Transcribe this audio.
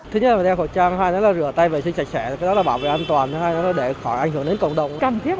thứ nhất là đeo khẩu trang hai đó là rửa tay vệ sinh chặt chẽ cái đó là bảo vệ an toàn hai đó là để khỏi ảnh hưởng đến cộng đồng